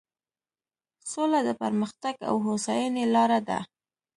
سوله د پرمختګ او هوساینې لاره ده.